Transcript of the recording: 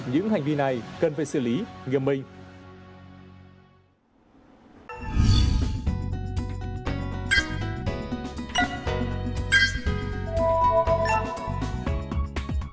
những hành vi này cần phải xử lý nghiêm minh